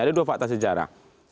ada dua fakta sejarah